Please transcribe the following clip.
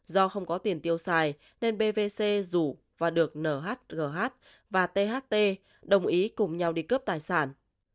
do không có tiền tiêu xài nên bvc rủ và được nhh và tht đồng ý cùng nhau đi cướp tài sản